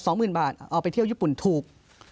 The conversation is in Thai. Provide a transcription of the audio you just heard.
หมื่นบาทเอาไปเที่ยวญี่ปุ่นถูก